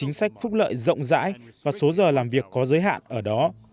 chúng tôi có một sách phúc lợi rộng rãi và số giờ làm việc có giới hạn ở đó